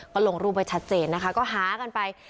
ก็ลงรูปไว้ชัดเจนนะคะก็หากันไป